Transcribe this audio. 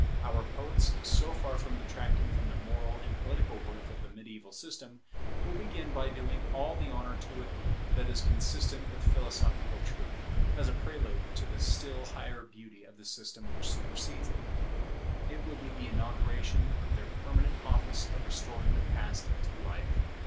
Our poets, so far from detracting from the moral and political worth of the mediaeval system, will begin by doing all the honour to it that is consistent with philosophical truth, as a prelude to the still higher beauty of the system which supersedes it. It will be the inauguration of their permanent office of restoring the Past to life.